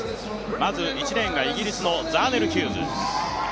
まず１レーンがイギリスのザーネル・ヒューズ。